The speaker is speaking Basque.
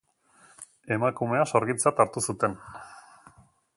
Emakumea sorgintzat hartu zuten.